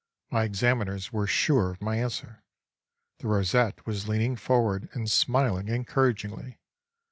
My examiners were sure of my answer. The rosette was leaning forward and smiling encouragingly.